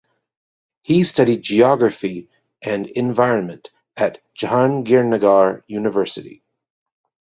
He studied geography and environment at Jahangirnagar University.